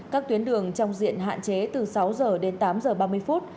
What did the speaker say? các tuyến đường trong diện hạn chế từ sáu h đến tám h ba mươi phút